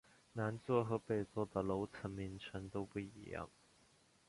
南座和北座的楼层名称都不一样。